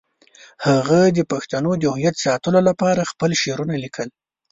هغه د پښتنو د هویت ساتلو لپاره خپل شعرونه لیکل.